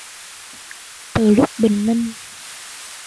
Từ lúc bình minh